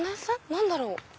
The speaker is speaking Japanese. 何だろう？